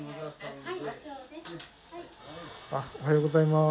おはようございます。